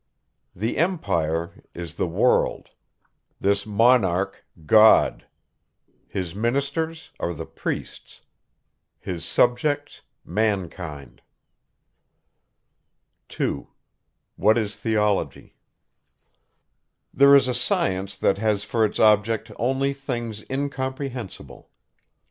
This EMPIRE is the WORLD; this MONARCH GOD; his MINISTERS are the PRIESTS; his SUBJECTS MANKIND. 2. There is a science that has for its object only things incomprehensible.